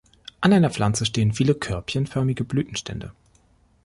An einer Pflanze stehen viele körbchenförmige Blütenstände.